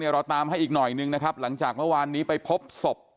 เราตามให้อีกหน่อยนึงนะครับหลังจากเมื่อวานนี้ไปพบศพ